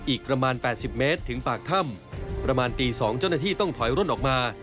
อีกประมาณ๘๐เมตรถึงปากถ้ำประมาณตี๒เจ้าหน้าที่ต้องถอยร่นออกมา